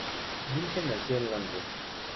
Vincent nació en Londres.